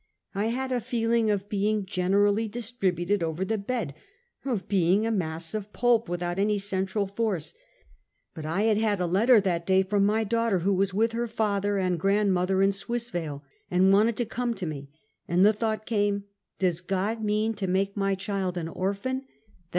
I had a feeling of being generally distributed over the bed, of being a mass of pulp without any central force, but I had had a letter that day from my daughter, who was with her father and grandmother in Swissvale, and wanted to come to me, and the thought came: "Does God mean to make my child an orphan, that 356 Half a Centuet.